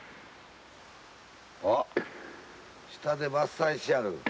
あっ下で伐採しやる。